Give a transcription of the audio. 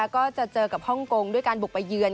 ก็จะเจอกับฮ่องกงด้วยการบุกไปเยือน